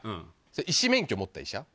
医師免許持った医者？